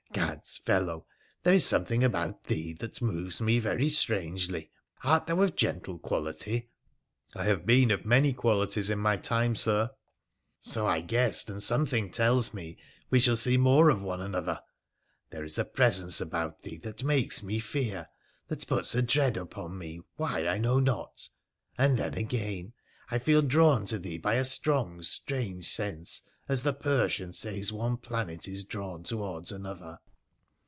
Gads ! fellow, there is something about thee that moves me very strangely. Art thou of gentle quality ?'' I have been of many qualities in my time, Sir.' ' So I guessed, and something tells me we shall see more of one another. There is a presence about thee that makes me fear — that puts a dread upon me, why I know not. And then, again, I feel drawn to thee by a strong, strange sense, as the Persian says one planet is drawn towards another.'